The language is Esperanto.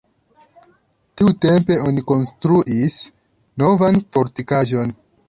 Tiutempe oni konstruis novan fortikaĵon.